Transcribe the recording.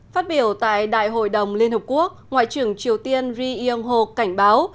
phát biểu tại đại hội đồng liên hợp quốc ngoại trưởng triều tiên ri yong ho cảnh báo